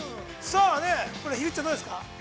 さあ、これ、樋口ちゃん、どうですか？